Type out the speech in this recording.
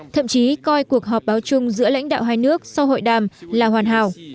thậm chí coi cuộc họp báo chung giữa lãnh đạo hai nước sau hội đàm là hoàn hảo